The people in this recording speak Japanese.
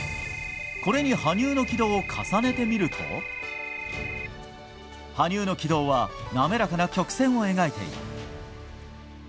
これに羽生の軌道を重ねてみると羽生の軌道はなめらかな曲線を描いている。